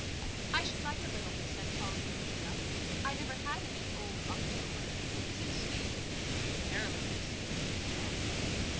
"I should like a little," said Paulina, looking up; "I never had any 'old October:' is it sweet?" "Perilously sweet," said Graham.